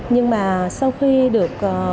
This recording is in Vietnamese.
nhưng mà sau khi được